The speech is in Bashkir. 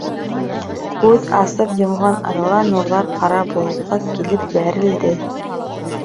Күҙ асып йомған арала нурҙар Ҡара болотҡа килеп бәрелде.